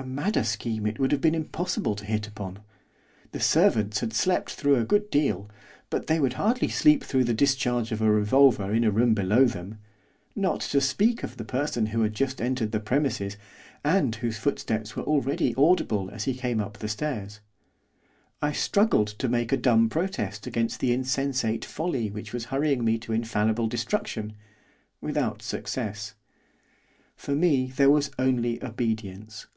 A madder scheme it would have been impossible to hit upon. The servants had slept through a good deal, but they would hardly sleep through the discharge of a revolver in a room below them, not to speak of the person who had just entered the premises, and whose footsteps were already audible as he came up the stairs. I struggled to make a dumb protest against the insensate folly which was hurrying me to infallible destruction, without success. For me there was only obedience.